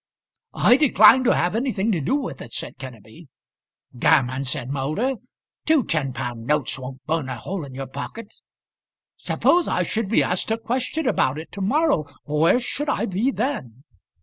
"I decline to have anything to do with it," said Kenneby. "Gammon," said Moulder; "two ten pound notes won't burn a hole in your pocket." "Suppose I should be asked a question about it to morrow; where should I be then?"